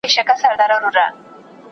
د فرایضو پابندي پر موږ واجب ده.